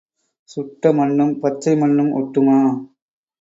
சுட்ட மண்ணும் பச்சை மண்ணும் ஒட்டுமா?